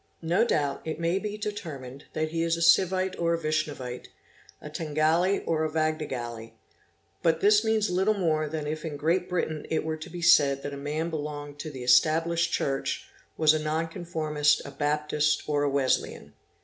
No doubt it may be determined that he is a Sivite or Vishnavite, a Tengalai or Vadagalai, but this means little more than if in Great Britain it were to be said that a man belonged to the Established Church, was a Nonconfor mist, a Baptist, or a Wesleyan.